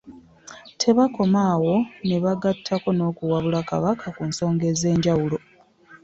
Tebakoma awo ne bagattako n'okuwabula Kabaka ku nsonga ez'enjawulo.